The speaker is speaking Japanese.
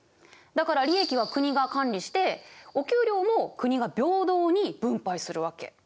だから利益は国が管理してお給料も国が平等に分配するわけ。